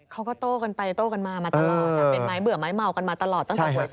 เขาก็โตกันไปโตกันมามาตลอด